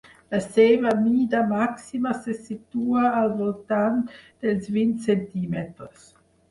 La seva mida màxima se situa al voltant dels vint centímetres.